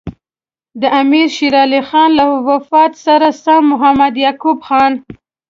د امیر شېر علي خان له وفات سره سم محمد یعقوب خان.